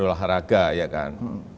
olahraga ya kan